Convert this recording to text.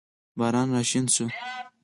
باران راشین شو